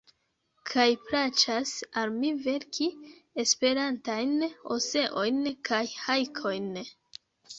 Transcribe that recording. Kaj plaĉas al mi verki Esperantajn eseojn kaj hajkojn.